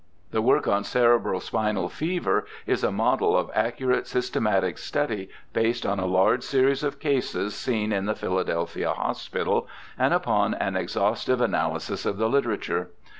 The work on cerebro spinal fever is a model of accurate, systematic study based on a large series of cases seen in the Philadelphia Hospital, and upon an exhaustive analysis of the literature.